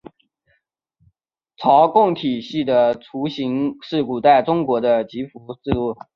朝贡体系的雏形是古代中国的畿服制度。